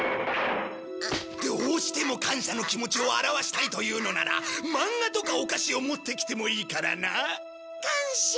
どうしても感謝の気持ちを表したいというのなら漫画とかお菓子を持ってきてもいいからな。感謝。